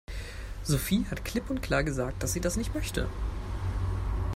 Sophie hat klipp und klar gesagt, dass sie das nicht möchte.